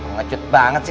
ngecut banget sih